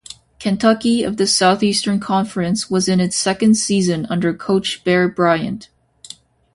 Kentucky of the Southeastern Conference was in its second season under coach Bear Bryant.